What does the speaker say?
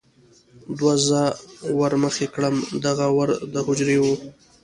دوی زه ور مخې کړم، دغه ور د هوجرې و.